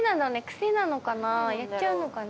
癖なのかな？